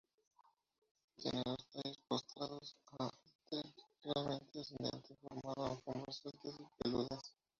Tiene los tallos postrados a ligeramente ascendente, formando alfombras sueltas, peludas.